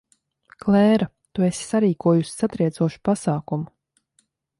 Klēra, tu esi sarīkojusi satriecošu pasākumu.